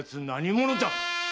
何者じゃ？